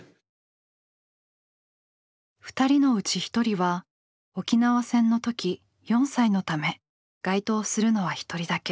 ２人のうち１人は沖縄戦の時４歳のため該当するのは１人だけ。